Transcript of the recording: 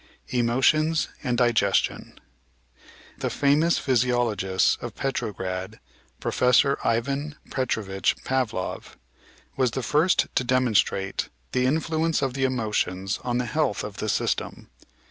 Emotions and Digestion The famous physiologist of Petrograd, Professor Ivan Pet rovitch Pavlov, was the first to demonstrate the influence of the emotions on the health of the system.